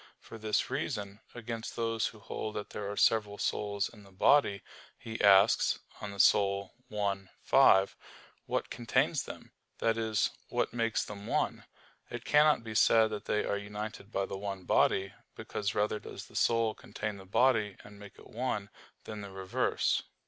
For this reason, against those who hold that there are several souls in the body, he asks (De Anima i, 5), "what contains them?" that is, what makes them one? It cannot be said that they are united by the one body; because rather does the soul contain the body and make it one, than the reverse.